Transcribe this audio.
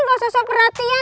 gak usah usah perhatian